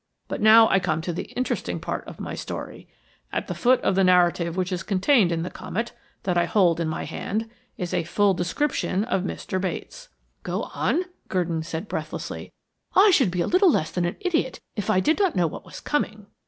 But now I come to the interesting part of my story. At the foot of the narrative which is contained in the Comet, that I hold in my hand, is a full description of Mr. Bates." "Go on," Gurdon said breathlessly. "I should be little less than an idiot if I did not know what was coming."